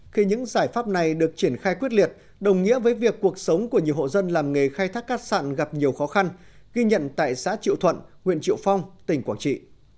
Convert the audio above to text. khi những giải pháp này được triển khai quyết liệt đồng nghĩa với việc cuộc sống của nhiều hộ dân làm nghề khai thác cát sạn gặp nhiều khó khăn ghi nhận tại xã triệu thuận huyện triệu phong tỉnh quảng trị